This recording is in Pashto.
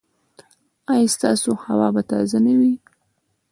ایا ستاسو هوا به تازه نه وي؟